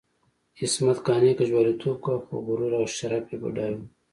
عصمت قانع که جواليتوب کاوه، خو غرور او شرف یې بډای وو.